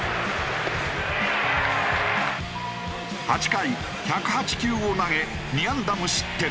８回１０８球を投げ２安打無失点。